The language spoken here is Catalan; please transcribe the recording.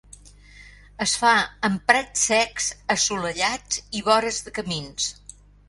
Es fa en prats secs assolellats i vores de camins.